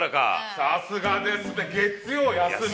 さすがですね「月曜休み？」。